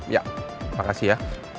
ya terima kasih ya